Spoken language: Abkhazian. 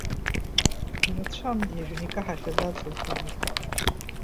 Ирацәан иажәны икаҳахьаз аҵлақәагьы.